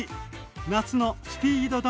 「夏のスピード丼」